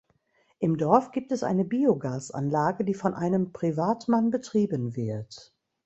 Im Dorf gibt es eine Biogasanlage, die von einem Privatmann betrieben wird.